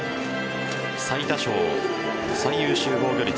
最多勝、最優秀防御率